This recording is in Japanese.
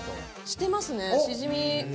してますね。